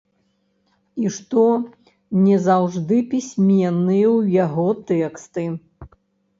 І што не заўжды пісьменныя ў яго тэксты.